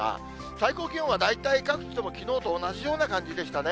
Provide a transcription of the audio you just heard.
最高気温は大体、各地ともきのうと同じような感じでしたね。